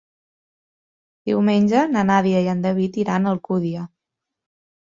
Diumenge na Nàdia i en David iran a Alcúdia.